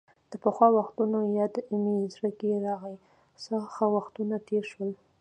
د پخوا وختونو یاد مې زړه کې راغۍ، څه ښه وختونه تېر شول.